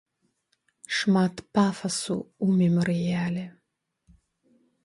Шмат пафасу ў мемарыяле.